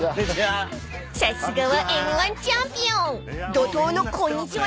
［怒濤の「こんにちは」